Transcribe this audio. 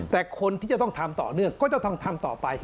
แต่คนที่จะต้องทำต่อเนื่องก็จะต้องทำต่อไป